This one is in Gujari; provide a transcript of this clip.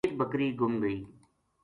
ایک بکری گُم گئی